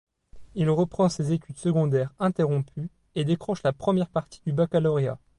Il reprend ses études secondaires interrompues et décroche la première partie du baccalauréat.